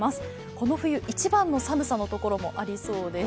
この冬一番の寒さのところもありそうです。